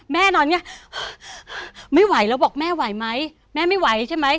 แม่นอนอย่างนี้ไม่ไหวแล้วบอกแม่ไหวไหม